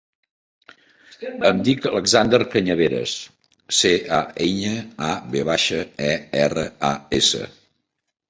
Em dic Alexander Cañaveras: ce, a, enya, a, ve baixa, e, erra, a, essa.